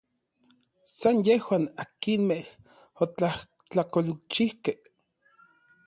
San yejuan akinmej otlajtlakolchijkej.